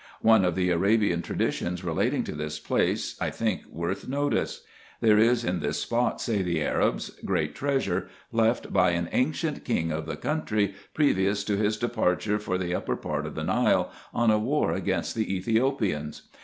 One of the Arabian traditions relating to this place, I think worth notice. i 2 CO RESEARCHES AND OPERATIONS There is in this spot, say the Arabs, great treasure, left by an ancient king of the country, previous to his departure for the upper part of the Nile, on a war against the Ethiopians.